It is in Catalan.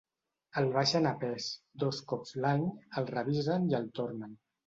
El baixen a pes, dos cops l'any, el revisen i el tornen.